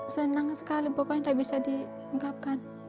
senang sekali pokoknya tidak bisa diungkapkan